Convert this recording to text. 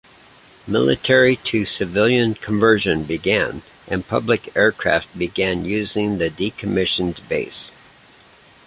Military to civilian conversion began, and public aircraft began using the decommissioned base.